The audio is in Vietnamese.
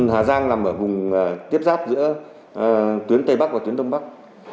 hà giang là một vùng tiếp giáp giữa tuyến tây bắc và tuyến đông bắc